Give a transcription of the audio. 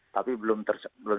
tapi belum tersebut